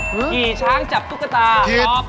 ขี่ช้างจับตุ๊กตา